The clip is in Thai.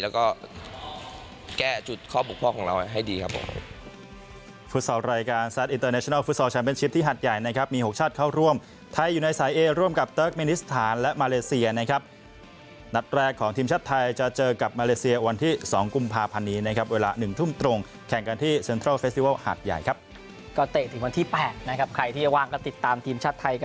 แล้วก็แก้จุดข้อบกพ่อของเราให้ดีครับผม